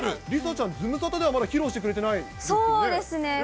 梨紗ちゃん、ズムサタではまだ披露してくれてないですよね。